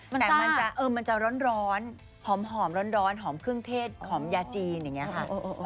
แต่มันจะร้อนหอมร้อนหอมเครื่องเทศหอมยาจีนอย่างนี้ค่ะ